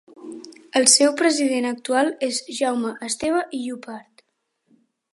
El seu president actual és Jaume Esteve i Llopart.